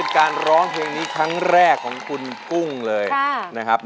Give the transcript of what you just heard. การร้องเพลงนี้ครั้งแรกของคุณกุ้งเลยนะครับ